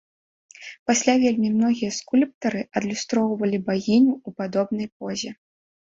Пасля вельмі многія скульптары адлюстроўвалі багіню ў падобнай позе.